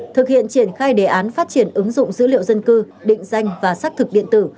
thực hiện triển khai đề án phát triển ứng dụng dữ liệu dân cư định danh và xác thực điện tử